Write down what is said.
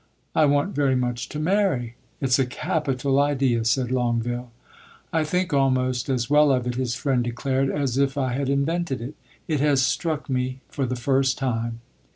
"I want very much to marry." "It 's a capital idea," said Longueville. "I think almost as well of it," his friend declared, "as if I had invented it. It has struck me for the first time."